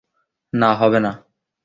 না, হবে না।